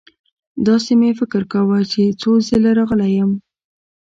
داسې مې فکر کاوه چې څو ځله راغلی یم.